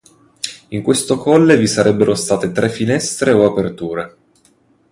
In questo colle vi sarebbero state tre finestre o aperture.